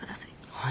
はい。